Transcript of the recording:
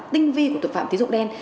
tinh vi của tục phạm tín dụng đen